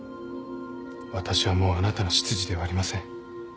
わたしはもうあなたの執事ではありません。